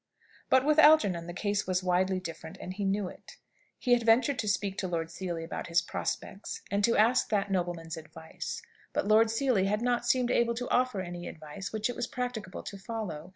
But with Algernon the case was widely different, and he knew it. He had ventured to speak to Lord Seely about his prospects, and to ask that nobleman's "advice." But Lord Seely had not seemed able to offer any advice which it was practicable to follow.